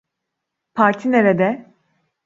Parti nerede?